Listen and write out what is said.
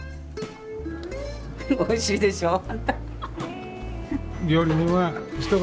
おいしいでしょう？